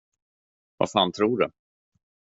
Vad fan tror du?